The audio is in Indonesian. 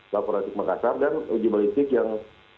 laporatik makassar dan uji balitik yang